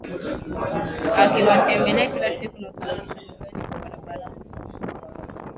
akiwatembelea kila siku na kusababisha foleni kubwa barabarani